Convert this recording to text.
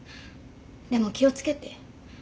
でも気を付けて。